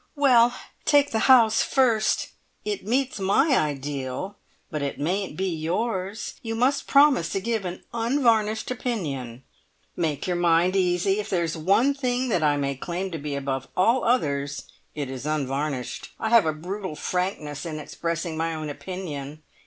"Well, take the house first. It meets my ideal, but it mayn't be yours. You must promise to give an unvarnished opinion." "Make your mind easy! If there is one thing that I may claim to be above all others, it is `unvarnished'. I have a brutal frankness in expressing my own opinion.